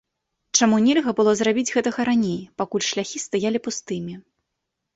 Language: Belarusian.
Чаму нельга было зрабіць гэтага раней, пакуль шляхі стаялі пустымі?